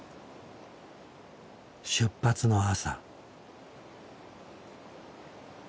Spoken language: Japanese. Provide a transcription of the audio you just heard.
出発の朝。